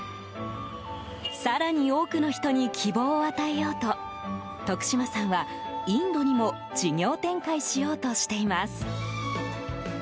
更に多くの人に希望を与えようと徳島さんは、インドにも事業展開しようとしています。